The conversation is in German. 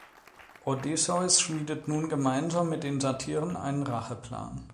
Odysseus schmiedet nun gemeinsam mit den Satyrn einen Racheplan.